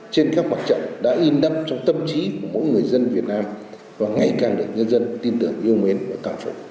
trên các mặt trận đã in đắp trong tâm trí của mỗi người dân việt nam và ngày càng được nhân dân tin tưởng yêu mến và cảm phục